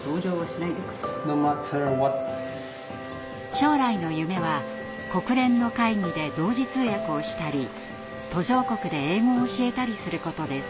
将来の夢は国連の会議で同時通訳をしたり途上国で英語を教えたりすることです。